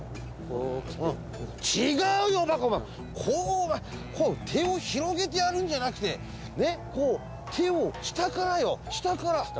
こうこう手を広げてやるんじゃなくてこう手を下からよ下から。